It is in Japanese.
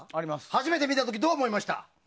初めて見た時、どう思いました。